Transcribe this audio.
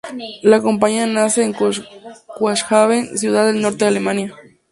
La compañía nace en Cuxhaven, ciudad al norte de Alemania.